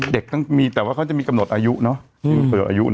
เด็กต้องมีแต่ว่าเขาจะมีกำหนดอายุ